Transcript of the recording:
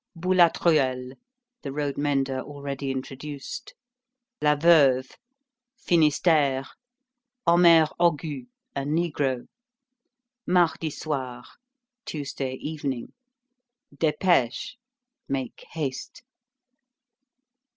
] Boulatruelle, the road mender already introduced. Laveuve. Finistère. Homère Hogu, a negro. Mardisoir. (Tuesday evening.) Dépêche. (Make haste.)